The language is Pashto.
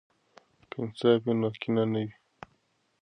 که انصاف وي، نو کینه نه وي.